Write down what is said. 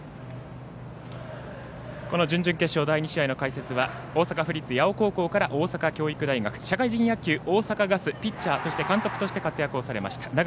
準々決勝第２試合の解説は大阪府立八尾高校から大阪教育大学社会人野球、大阪ガスピッチャーそして監督として活躍をされました